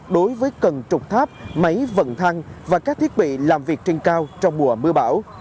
đối với cân trục tháp máy vận thăng và các thiết bị làm việc trên cao trong mùa mưa bão